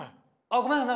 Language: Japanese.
ごめんなさい。